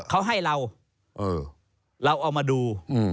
เขาให้เราเราเอามาดู